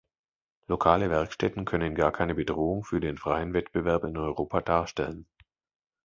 Lokale Werkstätten können gar keine Bedrohung für den freien Wettbewerb in Europa darstellen.